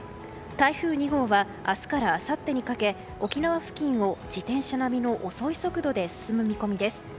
台風２号は、明日からあさってにかけ、沖縄付近を自転車並みの遅い速度で進む見込みです。